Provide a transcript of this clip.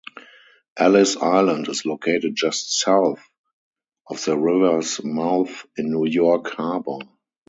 Ellis Island is located just south of the river's mouth in New York Harbor.